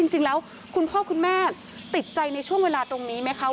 คุณพ่อคุณแม่ติดใจในช่วงเวลาตรงนี้ไหมคะ